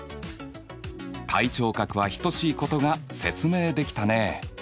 対頂角は等しいことが説明できたね。